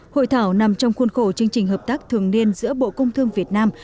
hội thảo nằm trong khuôn khổ chương trình hợp tác thường niên giữa bộ công thương việt nam